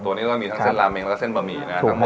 นี้ก็มีทั้งเส้นลาเม้งและเส้นบะหมี่นะ